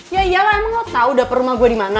ya iyalah emang lo tau dapur rumah gue dimana